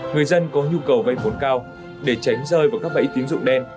người dân có nhu cầu vay vốn cao để tránh rơi vào các bẫy tín dụng đen